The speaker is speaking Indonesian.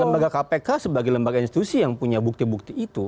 lembaga kpk sebagai lembaga institusi yang punya bukti bukti itu